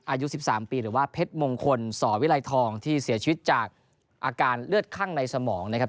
อายุ๑๓ปีหรือว่าเพชรมงคลสวิไลทองที่เสียชีวิตจากอาการเลือดข้างในสมองนะครับ